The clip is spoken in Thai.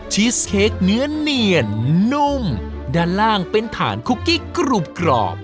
ชีสเค้กเนื้อเนียนนุ่มด้านล่างเป็นฐานคุกกี้กรุบกรอบ